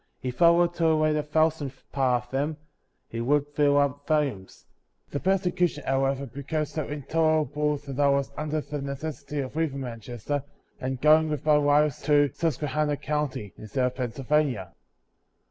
If I were to relate a thousandth part of them, it would fill up vol umes. The persecution, however, became so intol erable that I was under the necessiiy of leav ing Manchester, and going with my wife to Sus quehanna county, in the state of Pennsylvania.